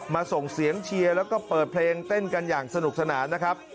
ส่งเสียงเชียร์แล้วก็เปิดเพลงเต้นกันอย่างสนุกสนานนะครับ